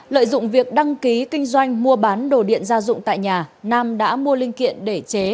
lợi dụng việc đăng ký kinh doanh mua bán đồ điện gia dụng tại nhà nam đã mua linh kiện để chế